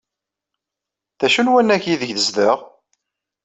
D acu n wannag aydeg tezdeɣ?